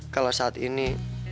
kalau saat ini